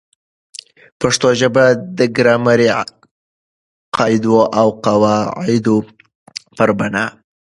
پښتو ژبه د ګرامري قاعدو او قوا عدو پر بناء